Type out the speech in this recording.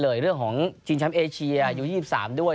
หรือเรื่องของจีนช้ำเอเชียยู๒๓ด้วย